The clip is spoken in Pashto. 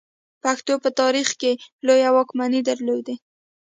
پښتنو په تاریخ کې لویې واکمنۍ درلودې